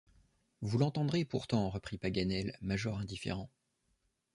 Vous l’entendrez pourtant, reprit Paganel, major indifférent!